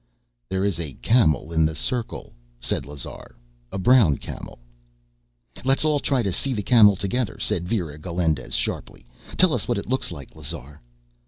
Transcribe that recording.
"There is a camel in the circle," said Lazar, "a brown camel." "Let's all try and see the camel together," said Vera Galindez sharply. "Tell us what it looks like, Lazar."